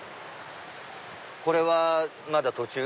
これはまだ途中？